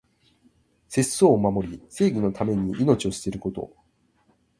節操を守り、正義のために命を捨てること。